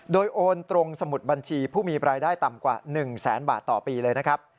โดยโอนตรงสมุดบัญชีผู้มีรายได้ต่ำกว่า๑แสนบาทต่อปีเลยนะครับ